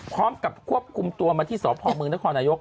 พร้อมกับควบคุมตัวมาที่สพมนนน